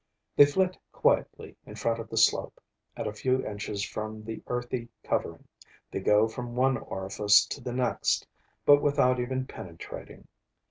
They flit quietly in front of the slope, at a few inches from the earthy covering. They go from one orifice to the next, but without even penetrating.